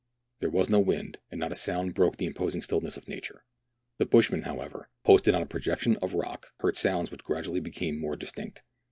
There was no wind, and not a sound broke the imposing stillness of nature. The bushman, however, posted on a projection of rock, heard sounds which gradually became more distinct.